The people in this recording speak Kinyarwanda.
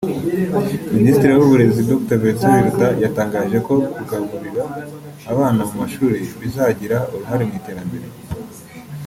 Minisitiri w’Uburezi Dr Vincent Biruta yatangaje ko kugaburira abana mu mashuri bizagira uruhare mu iterambere